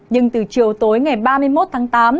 nhưng từ chiều tối ngày ba mươi một tháng tám